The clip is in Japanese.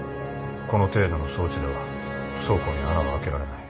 この程度の装置では倉庫に穴は開けられない。